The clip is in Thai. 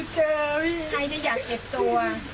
เจ็บตัว